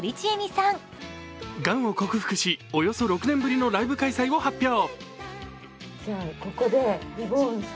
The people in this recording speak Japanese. がんを克服し、およそ６年ぶりのライブ開催を発表。